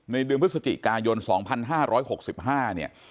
เดือนพฤศจิกายน๒๕๖๕เนี่ย